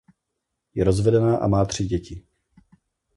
Je rozvedená a má tři děti.